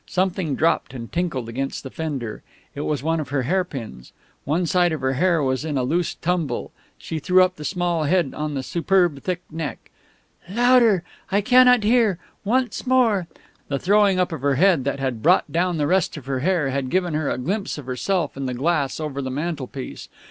Something dropped and tinkled against the fender. It was one of her hairpins. One side of her hair was in a loose tumble; she threw up the small head on the superb thick neck. "Louder! I cannot hear! Once more " The throwing up of her head that had brought down the rest of her hair had given her a glimpse of herself in the glass over the mantelpiece.